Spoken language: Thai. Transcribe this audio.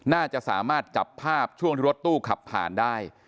น่าจะสามารถจับภาพช่วงที่รถตู้ขับผ่านได้